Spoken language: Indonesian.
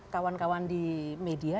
kawan kawan di media